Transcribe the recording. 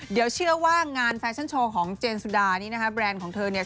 เดี๋ยวเชื่อว่างานแฟชั่นโชว์ของเจนสุดานี้นะคะแบรนด์ของเธอเนี่ย